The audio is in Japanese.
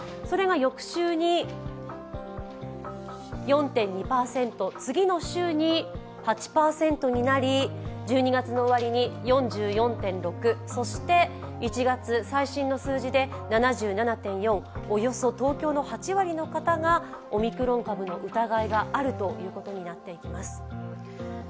それが翌週に４．２％、次の週に８％になり、１２月の終わりに４４．６、そして１月最新の数字で７７．４、およそ東京の８割の方がオミクロン株の疑いがあるということになっていきます。